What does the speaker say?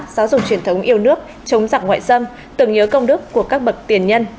giáo dục truyền thống yêu nước chống giặc ngoại xâm tưởng nhớ công đức của các bậc tiền nhân